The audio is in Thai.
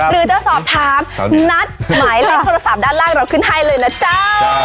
หรือจะสอบถามนัดหมายเลขโทรศัพท์ด้านล่างเราขึ้นให้เลยนะจ๊ะ